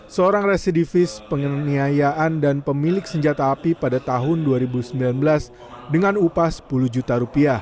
seorang residivis penganiayaan dan pemilik senjata api pada tahun dua ribu sembilan belas dengan upah rp sepuluh juta